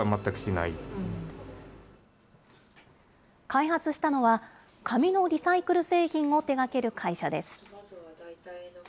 開発したのは、紙のリサイクル製品を手がける会社です。